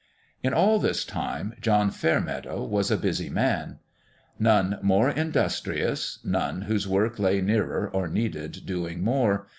In all this time John Fairmeadow was a busy man. None more industrious : none whose work lay nearer or needed doing more.